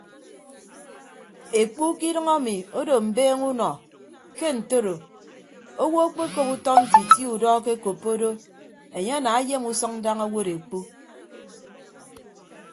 Ekpu ke idʌñ emi odo mbeeñe unọ ke ntoro owo akpekop utọ ntiti udọ akekoppo do enye ana ayem usʌñ daña owod ekpu.